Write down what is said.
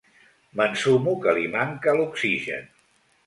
M'ensumo que li manca l'oxigen.